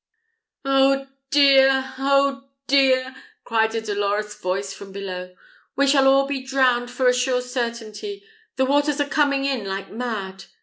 "Oh dear! oh dear!" cried a dolorous voice from below; "we shall all be drowned for a sure certainty: the water's a coming in like mad!"